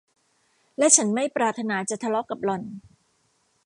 และฉันไม่ปรารถนาจะทะเลาะกับหล่อน